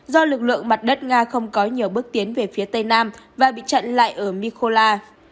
do lực lượng mặt đất nga không có nhiều bước tiến về phía tây nam và bị chặn lại ở mikola